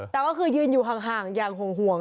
แต่ก็คือยืนอยู่ห่างอย่างห่วง